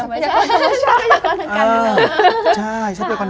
ทรัพยากรธรรมชาติ